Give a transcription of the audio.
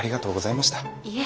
いえ